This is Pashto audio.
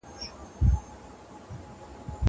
زه له سهاره د ښوونځی لپاره امادګي نيسم!